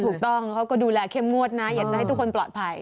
ถูกต้องเขาก็ดูแลเข้มงวดนะอยากจะให้ทุกคนปลอดภัย